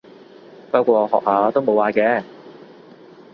不過學下都冇壞嘅